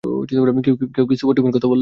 কেউ কি সুপার টিমের কথা বলল?